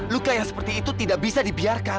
luka yang seperti itu tidak bisa dibiarkan